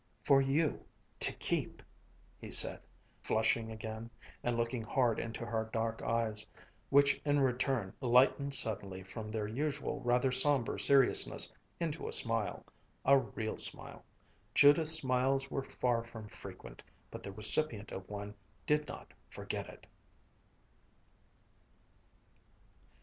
"For you to keep," he said, flushing again, and looking hard into her dark eyes, which in return lightened suddenly from their usual rather somber seriousness into a smile, a real smile. Judith's smiles were far from frequent, but the recipient of one did not forget it.